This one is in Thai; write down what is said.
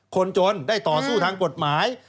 คนจนได้ต่อสู้ทางกฎหมาย